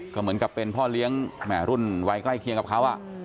ก็เหมือนกับเป็นพ่อเลี้ยงแหม่รุ่นวัยใกล้เคียงกับเขา